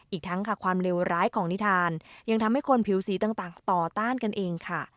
อีกทั้งค่ะความเลวร้ายของนิทานยังทำให้คนผิวสีต่างต่อต้านกันเองค่ะ